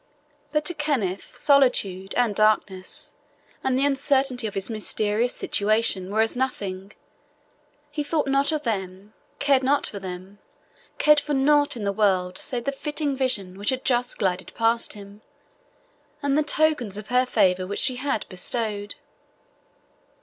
But to Kenneth, solitude, and darkness, and the uncertainty of his mysterious situation were as nothing he thought not of them cared not for them cared for nought in the world save the flitting vision which had just glided past him, and the tokens of her favour which she had bestowed.